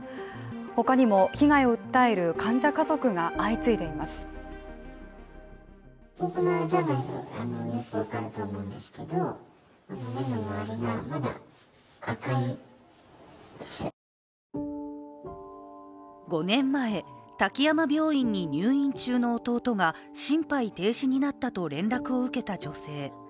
他にも被害を訴える患者家族が相次いでいます５年前、滝山病院に入院中の弟が心肺停止になったと連絡を受けた女性。